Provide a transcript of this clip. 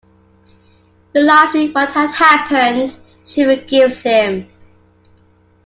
Realizing what had happened, she forgives him.